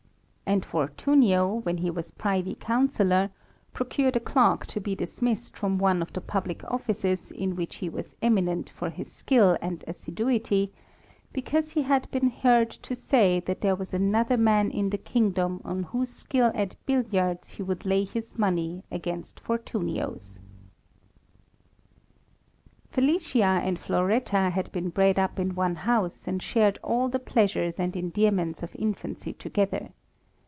And Fortunio, when he was privy counsellor, procured a clerk to be dismissed from one of the publick offices, in which he was eminent for his skill and assiduity, because he had been heard to say that there was another man in the kingdom on whose skill at billiards he would lay his money against Fortunio's. Felicia and Floretta had been bred up in one house, and shared all the pleasures and endearments of infancy together.